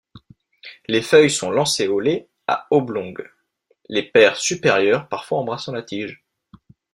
Les feuilles sont lancéolées à oblongues, les paires supérieures parfois embrassant la tige.